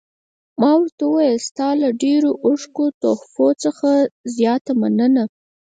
ما ورته وویل: ستا له ډېرو او ښکلو تحفو څخه زیاته مننه.